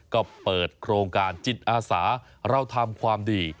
ก็เปิดโครงการจิตอาสาเราทำความดี